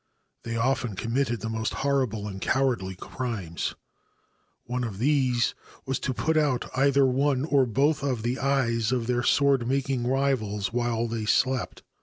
They often committed the most horrible and cowardly crimes. One of these was to put out either one or both of the eyes of their sword making rivals while they slept.